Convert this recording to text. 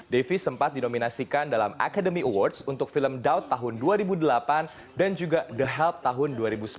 devi sempat dinominasikan dalam academy awards untuk film doub tahun dua ribu delapan dan juga the hub tahun dua ribu sembilan